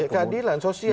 keadilan sosial itu